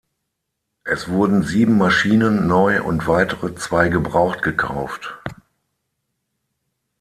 Es wurden sieben Maschinen neu und weitere zwei gebraucht gekauft.